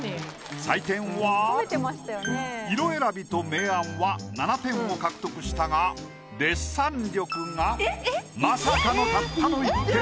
採点は色選びと明暗は７点を獲得したがデッサン力がまさかのたったの１点。